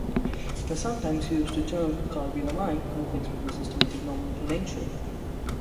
The sometimes used term "carbylamine" conflicts with systematic nomenclature.